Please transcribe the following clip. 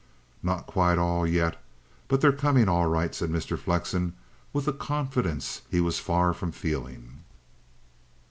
"Not quite all yet. But they're coming all right," said Mr. Flexen, with a confidence he was far from feeling.